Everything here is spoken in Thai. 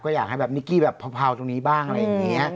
ก็อยากให้แบบนิกกี้แบบเผาตรงนี้บ้างอะไรอย่างนี้